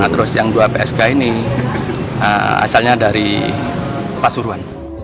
terus yang dua psk ini asalnya dari pasuruan